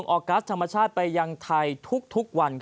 ออกกัสธรรมชาติไปยังไทยทุกวัน